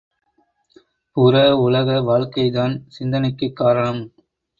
புற உலக வாழ்க்கைதான் சிந்தனைக்குக் காரணம்.